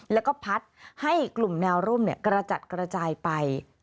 แล้วก็พัดให้กลุ่มแนวร่มกระจัดกระจายไป